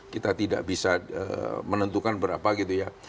kita tidak bisa menentukan berapa gitu ya